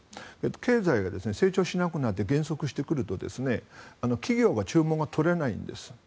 経済が成長しないで減速してくると企業は注文が取れないんです。